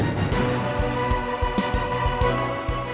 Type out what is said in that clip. mereka menolak untuk memberikan izin